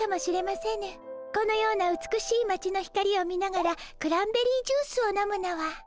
このような美しいまちの光を見ながらクランベリージュースを飲むのは。